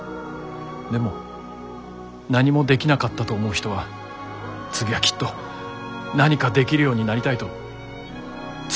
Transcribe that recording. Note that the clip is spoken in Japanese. でも何もできなかったと思う人は次はきっと何かできるようになりたいと強く思うでしょ？